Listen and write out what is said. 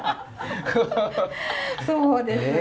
そうですね。